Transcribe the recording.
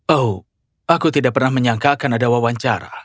oh aku tidak pernah menyangka akan ada wawancara